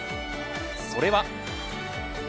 それは。